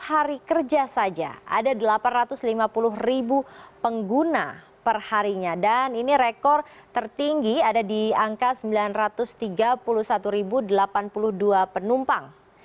hari kerja saja ada delapan ratus lima puluh pengguna perharinya dan ini rekor tertinggi ada di angka sembilan ratus tiga puluh satu delapan puluh dua penumpang